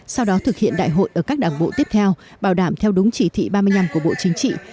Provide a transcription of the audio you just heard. sau đó thực hiện đại hội ở các đảng bộ tiếp theo bảo đảm theo đúng chỉ thị ba mươi năm của bộ chính trị